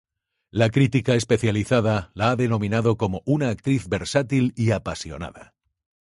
La crítica especializada la ha denominado como "una actriz versátil y apasionada".